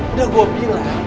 udah gua bilang